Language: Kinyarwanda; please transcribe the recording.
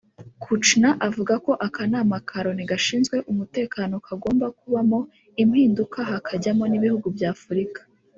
Kouchner avuga ko Akanama ka Loni gashinzwe umutekano kagomba kubamo impinduka hakajyamo n’ibihugu by’Afurika